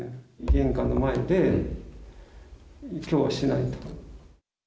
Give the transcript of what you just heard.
玄関の前で、きょうはしないと。